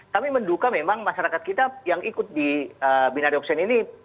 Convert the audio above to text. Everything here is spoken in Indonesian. kami menduga memang masyarakat kita yang ikut di binari option ini